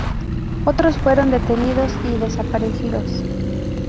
Otros fueron detenidos y desaparecidos.